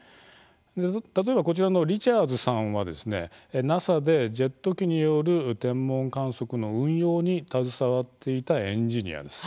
例えばこちらのリチャーズさんはＮＡＳＡでジェット機による天文観測の運用に携わっていたエンジニアです。